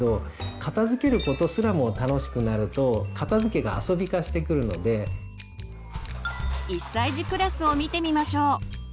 片づけることすらも楽しくなると１歳児クラスを見てみましょう。